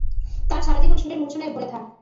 তার সারাজীবন সুরের মুর্ছনায় ভরে থাক।